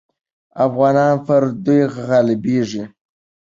افغانان پر دوی غالبېږي.